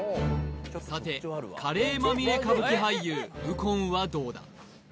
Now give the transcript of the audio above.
さてカレーまみれ歌舞伎俳優右近はどうだ？